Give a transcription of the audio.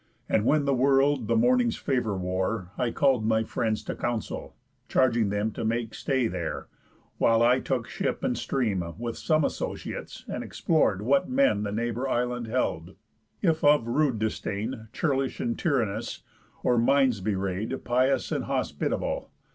And when the world the morning's favour wore, I call'd my friends to council, charging them To make stay there, while I took ship and stream, With some associates, and explor'd what men The neighbour isle held; if of rude disdain, Churlish and tyrannous, or minds bewray'd Pious and hospitable.